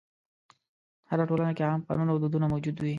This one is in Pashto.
هره ټولنه کې عام قانون او دودونه موجود وي.